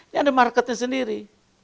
jangan dia marketnya sendiri